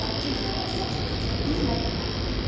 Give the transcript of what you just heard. カレーソースとカツは間違いないな。